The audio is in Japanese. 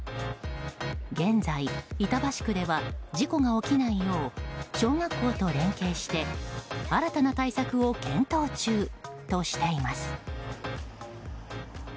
現在、板橋区では事故が起きないよう小学校と連携して新たな対策を検討中としています。